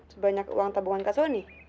sebanyak uang tabungan kak suni